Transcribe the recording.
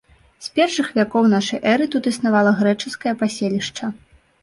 З першых вякоў нашай эры тут існавала грэчаскае паселішча.